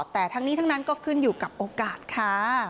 แต่ทั้งนี้ทั้งนั้นก็ขึ้นอยู่กับโอกาสค่ะ